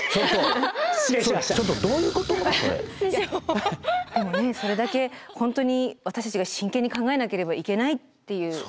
でもねそれだけ本当に私たちが真剣に考えなければいけないっていう。